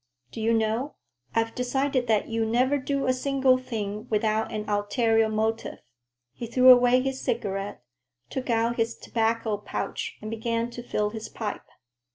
Do you know, I've decided that you never do a single thing without an ulterior motive." He threw away his cigarette, took out his tobacco pouch and began to fill his pipe.